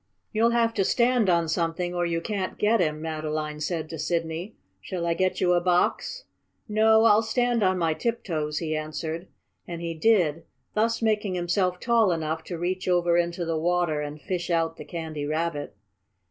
"You'll have to stand on something or you can't get him," Madeline said to Sidney. "Shall I get you a box?" "No, I'll stand on my tiptoes," he answered. And he did, thus making himself tall enough to reach over into the water and fish out the Candy Rabbit.